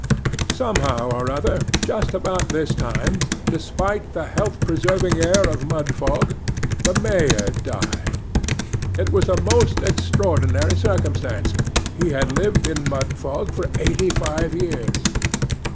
Somehow or other, just about this time, despite the health preserving air of Mudfog, the Mayor died. It was a most extraordinary circumstance; he had lived in Mudfog for eighty five years.